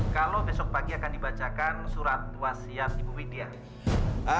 kalau besok pagi akan dibacakan surat wasiat ibu widya